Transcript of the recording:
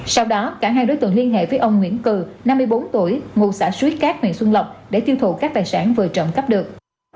sau đó cả hai đối tượng liên hệ với ông nguyễn cừ năm mươi bốn tuổi ngụ xã suối cát huyện xuân lộc để tiêu thụ các tài sản vừa trộm cắp được